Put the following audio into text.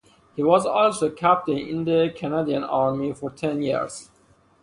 He was also a Captain in the Canadian Army for ten years.